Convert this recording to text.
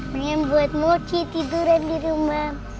pengen buat moci tiduran di rumah